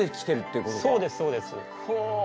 そうですそうです。はあ。